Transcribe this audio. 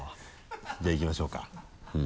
じゃあいきましょうか。